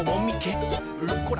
これ。